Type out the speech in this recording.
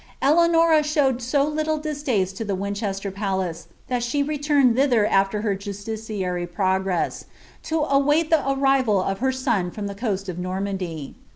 ^ Eleanora showed so little distaste to the Winchester Palace, that she Murned thitlier af^ her justiciary progress, to await the arrival of her OB from the coast of Normandy.